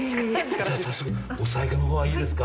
じゃあ早速お財布の方いいですか？